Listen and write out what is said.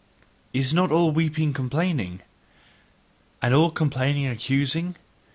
"Is not all weeping complaining? And all complaining, accusing?"